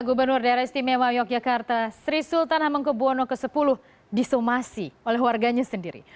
gubernur daerah istimewa yogyakarta sri sultan hamengkubwono x disomasi oleh warganya sendiri